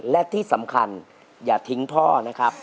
และที่สำคัญอย่าทิ้งพ่อนะครับ